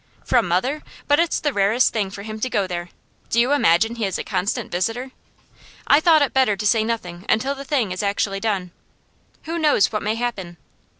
'From mother? But it's the rarest thing for him to go there. Do you imagine he is a constant visitor? I thought it better to say nothing until the thing is actually done. Who knows what may happen?